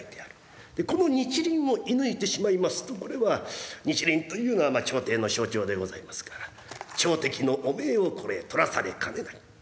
この日輪を射ぬいてしまいますとこれは日輪というのは朝廷の象徴でございますから朝敵の汚名をこれとらされかねない。